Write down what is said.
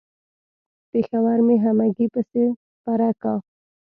پېښور مې همګي پسې پره کا.